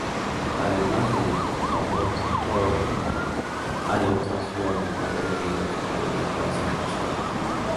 Además del Ofotfjord, hay otros fiordos más pequeños que forman un paisaje escarpado.